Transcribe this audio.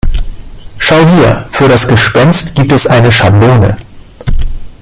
Schau hier, für das Gespenst gibt es eine Schablone.